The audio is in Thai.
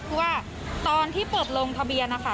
เพราะว่าตอนที่เปิดลงทะเบียนนะคะ